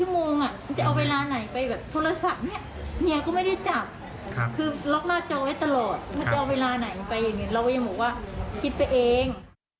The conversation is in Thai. มันจะเอาเวลาไหนไปเรายังบอกว่าคิดไปเอง